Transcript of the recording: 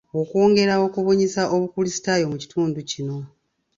Okwongera okubunyisa obukulisitaayo mu kitundu kino.